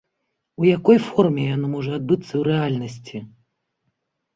У якой форме яно можа адбыцца ў рэальнасці?